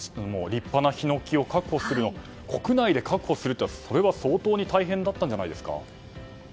立派なヒノキを国内で確保するのはそれは相当大変だったんじゃないんですか。